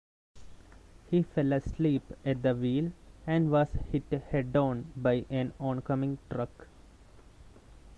He fell asleep at the wheel and was hit head-on by an oncoming truck.